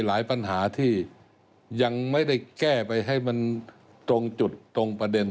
หลายปัญหาที่ยังไม่ได้แก้ไปให้มันตรงจุดตรงประเด็น